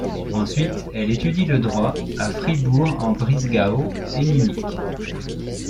Ensuite, elle étudie le droit à Fribourg-en-Brisgau et Munich.